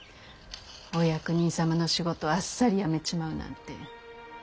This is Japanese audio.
お役人様の仕事をあっさり辞めちまうなんて。